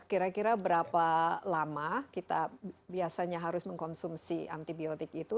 kira kira berapa lama kita biasanya harus mengkonsumsi antibiotik itu